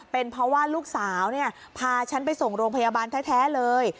เป็นเพราะว่าลูกสาวพาฉันไปส่งโรงพยาบาลแท้เลย